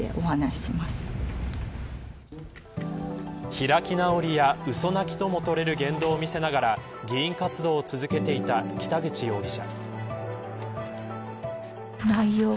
開き直りや、うそ泣きともとれる言動を見せながら議員活動を続けていた北口容疑者。